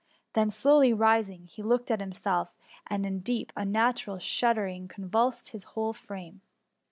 Then slowly rising, he looked at himself, and a deep, unnatural shuddering convulsed his whole frame.